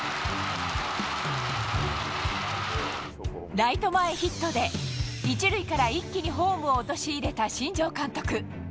ライト前ヒットで１塁から一気にホームを落とし入れた新庄監督。